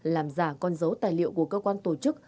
làm giả con dấu tài liệu của cơ quan tổ chức